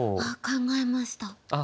あっ考えました。